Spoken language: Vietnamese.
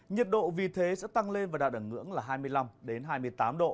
nhiệt độ vì thế sẽ tăng lên và đạt ở ngưỡng là hai mươi năm hai mươi tám độ